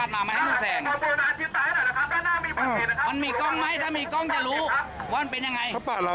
มันมีกล้องไหมถ้ามีกล้องจะรู้ว่ามันเป็นยังไง